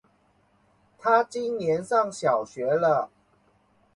他今年上小学了